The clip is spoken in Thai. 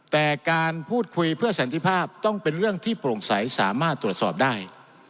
แต่การพูดคุยเพื่อสันติภาพต้องเป็นเรื่องที่โปร่งใสสามารถตรวจสอบได้